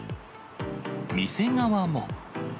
店側も。